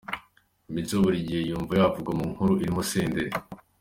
Mico buri gihe yumva yavugwa mu nkuru irimo Senderi.